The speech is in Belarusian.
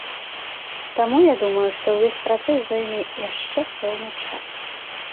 Таму я думаю, што ўвесь працэс зойме яшчэ пэўны час.